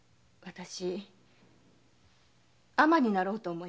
尼になろうと思います。